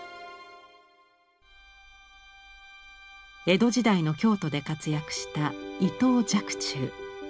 江戸時代の京都で活躍した伊藤若冲。